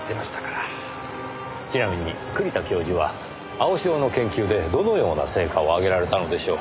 ちなみに栗田教授は青潮の研究でどのような成果を上げられたのでしょう？